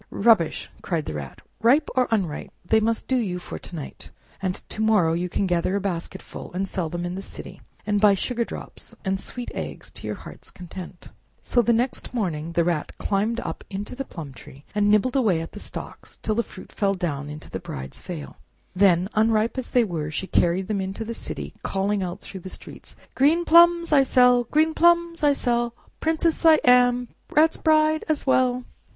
"Rubbish!" cried the Rat; "ripe or unripe, they must do you for to night, and to morrow you can gather a basketful, sell them in the city, and buy sugar drops and sweet eggs to your heart's content!" So the next morning the Rat climbed up into the plum tree, and nibbled away at the stalks till the fruit fell down into the Bride's veil. Then, unripe as they were, she carried them into the city, calling out through the streets— "Green plums I sell! green plums I sell! Princess am I, Rat's bride as well!"